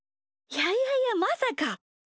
いやいやいやまさか。